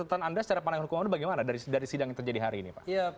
catatan anda secara pandang hukuman bagaimana dari sidang yang terjadi hari ini